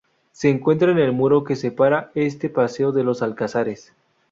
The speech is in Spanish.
Se encuentra en el muro que separa este paseo de los Alcázares.